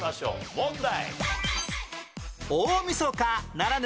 問題。